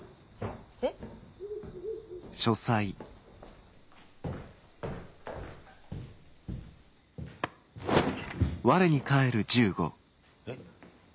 えっ？えっ？